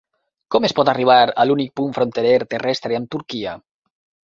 Com es pot arribar a l'únic punt fronterer terrestre amb Turquia?